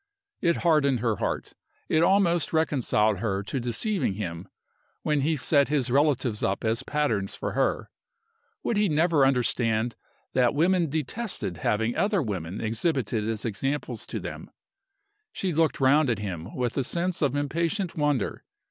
It hardened her heart it almost reconciled her to deceiving him when he set his relatives up as patterns for her. Would he never understand that women detested having other women exhibited as examples to them? She looked round at him with a sense of impatient wonder.